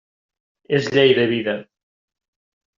És llei de vida.